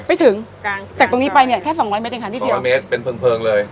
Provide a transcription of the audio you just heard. ไม่ถึงจากตรงนี้ไปเนี่ยแค่สองบาทเมตรสองบาทเมตรเป็นเพลิงเพลิงเลย